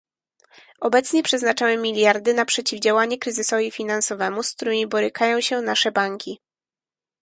Obecnie przeznaczamy miliardy na przeciwdziałanie kryzysowi finansowemu, z którym borykają się nasze banki